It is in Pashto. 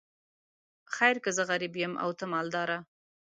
خیر که زه غریب یم او ته مالداره.